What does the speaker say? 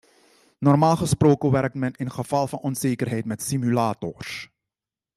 Normaal gesproken werkt men in geval van onzekerheid met simulators.